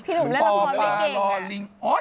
พี่หนุ่มแล้วละพอไม่เก่ง